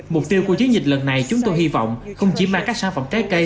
mục tiêu của chiến dịch lần này chúng tôi hy vọng không chỉ mang các sản phẩm trái cây